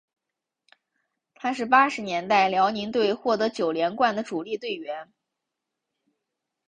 他是八十年代辽宁队获得九连冠的主力队员。